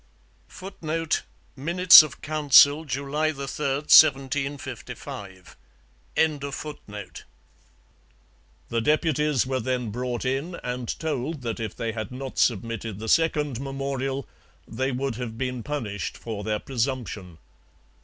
[Footnote: Minutes of Council, July 3, 1755.] The deputies were then brought in and told that if they had not submitted the second memorial they would have been punished for their presumption.